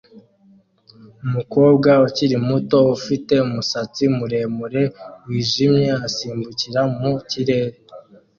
Umukobwa ukiri muto ufite umusatsi muremure wijimye asimbukira mu kirere